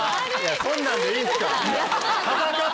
そんなんで良いんすか？